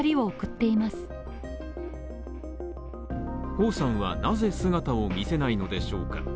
ホウさんはなぜ姿を見せないのでしょうか？